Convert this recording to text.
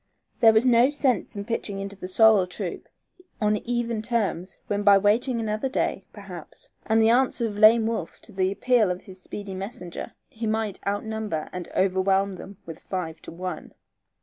There was no sense in pitching into the sorrel troop on even terms when by waiting another day, perhaps, and the answer of Lame Wolf to the appeal of his speedy messenger, he might outnumber and overwhelm them with five to one.